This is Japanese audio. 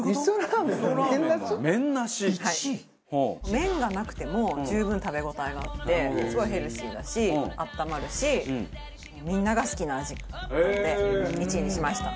麺がなくても十分食べ応えがあってすごいヘルシーだし温まるしみんなが好きな味なので１位にしました。